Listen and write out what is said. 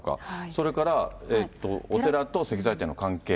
それから、お寺と石材店の関係。